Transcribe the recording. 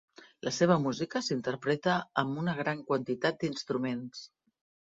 La seva música s'interpreta amb una gran quantitat d'instruments.